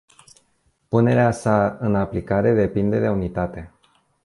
Punerea sa în aplicare depinde de unitate.